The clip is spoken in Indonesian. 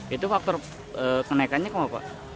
itu faktor kenaikannya kenapa pak